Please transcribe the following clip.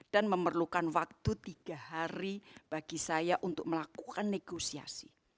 dan memerlukan waktu tiga hari bagi saya untuk melakukan negosiasi